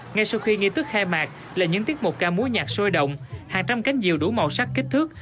ngay sau khi nghi thức khai mạc là những tiết mục ca múa nhạc sôi động hàng trăm cánh diều đủ màu sắc kích thước